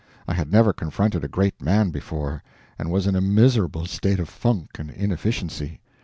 I had never confronted a great man before, and was in a miserable state of funk and inefficiency.